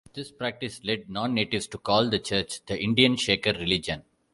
This practice led non-natives to call the Church the Indian Shaker Religion.